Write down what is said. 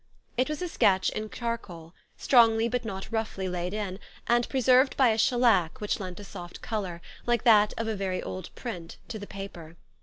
It was a sketch in charcoal, strongly but not roughly laid in, and preserved by a shellac, which lent a soft color, like that of a very old print, to the paper.